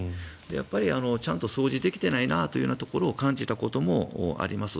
やっぱりちゃんと掃除できてないなというところを感じたこともあります。